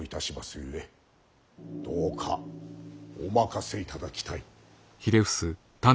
ゆえどうかお任せいただきたい。